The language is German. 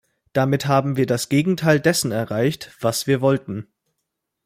Damit haben wir das Gegenteil dessen erreicht, was wir wollten.